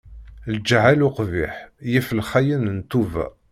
Lǧahel uqbiḥ, yif lxayen n ttuba.